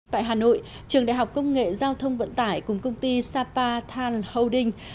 tại hà nội trường đại học công nghệ giao thông vận tải cùng công ty sapa tan holding